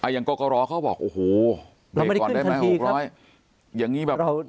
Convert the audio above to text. อย่างโกกะร้อเขาบอกโอ้โหเรียกก่อนได้ไหม๖๐๐บาท